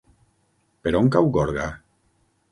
Per on cau Gorga?